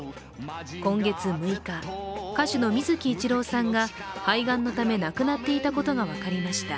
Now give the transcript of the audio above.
今月６日、歌手の水木一郎さんが肺がんのため亡くなっていたことが分かりました。